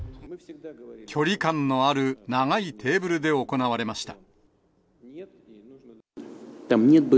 距離感のある長いテーブルで行われました。